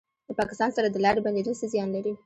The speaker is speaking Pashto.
د پاکستان سره د لارې بندیدل څه زیان لري؟